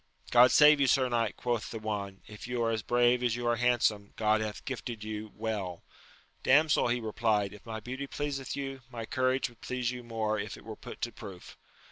God save you, sir knight, quoth the one ; if you are as brave as you are handsome, God hath gifted you weU. Damsel, he replied, if my beauty pleaseth yon, my courage would please you more if it were put to proof.